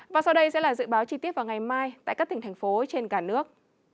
và sau đây sẽ là dự báo chi tiết vào ngày mai tại các tỉnh thành phố trên cả nước